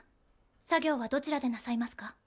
作業はどちらでなさいますか？